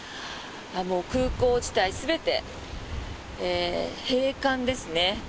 もう空港自体、全て閉館ですね。